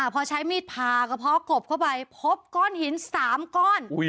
พอใช้มีดพาก็พอกบเข้าไปพบก้อนหินสามก้อน